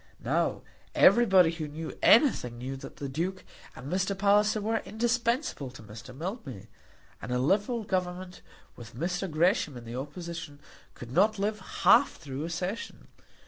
Now, everybody who knew anything knew that the Duke and Mr. Palliser were indispensable to Mr. Mildmay. And a liberal Government, with Mr. Gresham in the opposition, could not live half through a session!